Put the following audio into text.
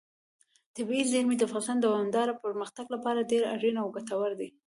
طبیعي زیرمې د افغانستان د دوامداره پرمختګ لپاره ډېر اړین او ګټور دي.